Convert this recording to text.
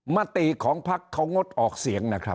มติของพักเขางดออกเสียงนะครับ